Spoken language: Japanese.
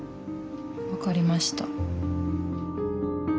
分かりました。